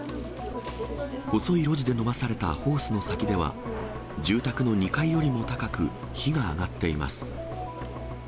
細い路地で伸ばされたホースの先では、住宅の２階よりも高く火が上がっています。